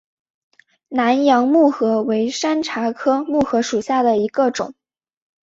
南洋木荷为山茶科木荷属下的一个种。